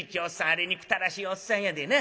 あれ憎たらしいおっさんやでな。